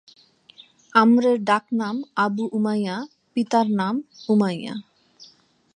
আমর এর ডাক নাম আবু উমাইয়া, পিতার নাম উমাইয়া।